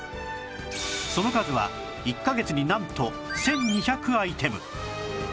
その数は１カ月になんと１２００アイテム